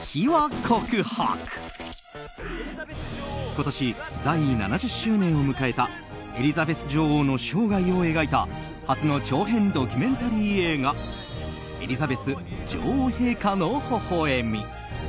今年、在位７０周年を迎えたエリザベス女王の生涯を描いた初の長編ドキュメンタリー映画「エリザベス女王陛下の微笑み」。